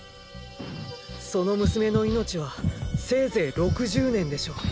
その娘の命はせいぜい６０年でしょう。